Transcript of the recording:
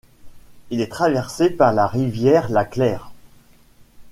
Il est traversé par la rivière la Claire.